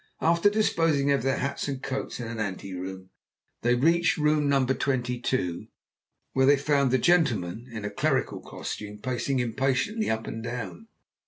After disposing of their hats and coats in an ante room, they reached room No. 22, where they found the gentleman in clerical costume pacing impatiently up and down.